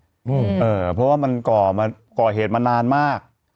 เพราะว่ามันก่อมาก่อเหตุมานานมาก